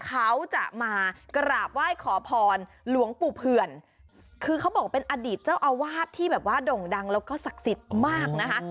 เขาจะมากราบไหว้ขอพรหลวงปู่เผื่อนคือเขาบอกเป็นอดีตเจ้าอาวาสที่แบบว่าด่งดังแล้วก็ศักดิ์สิทธิ์มากนะคะ